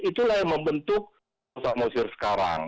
itulah yang membentuk pulau samosir sekarang